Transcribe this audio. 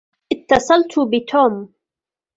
اتصلت بتوم.